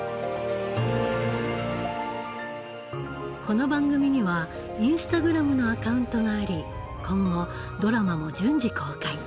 この番組にはインスタグラムのアカウントがあり今後ドラマも順次公開。